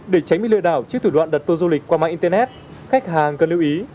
để tránh bị lừa đảo trước thủ đoạn đặt tour du lịch qua mạng internet khách hàng cần lưu ý